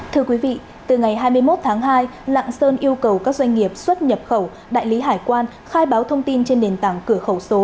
thưa quý vị từ ngày hai mươi một tháng hai lạng sơn yêu cầu các doanh nghiệp xuất nhập khẩu đại lý hải quan khai báo thông tin trên nền tảng cửa khẩu số